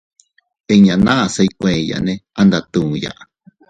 Inña naʼa se iykueyane a ndatuya.